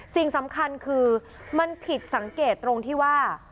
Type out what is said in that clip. สิ่งสำคัญคือมันผิดสังเกตตรงที่ว่า